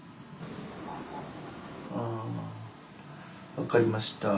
分かりました。